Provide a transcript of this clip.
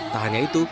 tak hanya itu